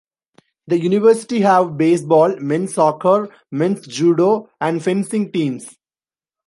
The University have baseball, men's soccer, men's judo and fencing teams.